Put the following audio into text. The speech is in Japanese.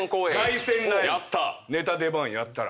ネタ出番やったら。